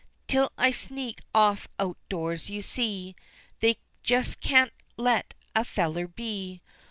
'Till I sneak off out doors, you see, They just can't let a feller be!